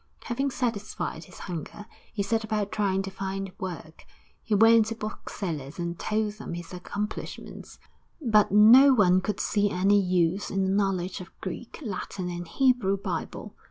Having satisfied his hunger, he set about trying to find work. He went to booksellers and told them his accomplishments, but no one could see any use in a knowledge of Greek, Latin and the Hebrew Bible.